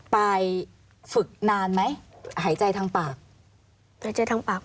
ปายฝึกนานไหมหายใจทางปาก